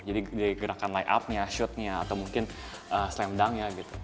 jadi di gerakan layupnya shootnya atau mungkin slam dunknya gitu